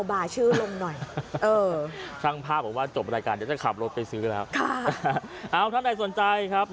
ใครที่ผ่านไปผ่านมาทางเอ่อเส้นกำแพงแสนพนมทวนนะคะ